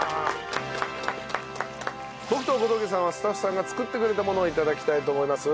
僕と小峠さんはスタッフさんが作ってくれたものを頂きたいと思います。